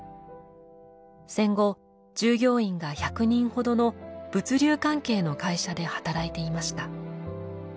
戦後従業員が１００人ほどの物流関係の会社で働いていました。